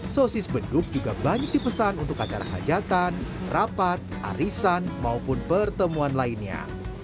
sosis beduk juga banyak dipesan untuk acara hajatan rapat arisan maupun pertemuan lainnya